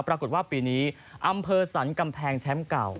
ปรากฏว่าปีนี้อำเภอสรรกำแพงแชมป์เก่า